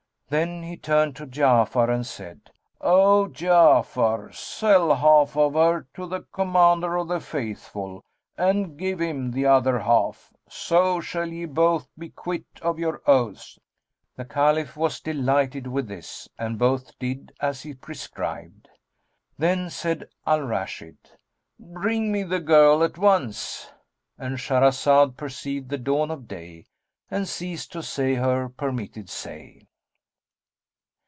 Then he turned to Ja'afar and said, "O Ja'afar, sell half of her to the Commander of the Faithful and give him the other half; so shall ye both be quit of your oaths." The Caliph was delighted with this and both did as he prescribed. Then said Al Rashid, "Bring me the girl at once,"—And Shahrazad perceived the dawn of day and ceased to say her permitted say.